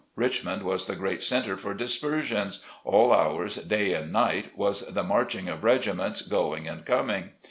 Richmond was the great centre for dispersions, all hours, day and night was the marching of regiments, going and coming.